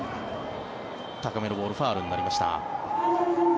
高めのボールファウルになりました。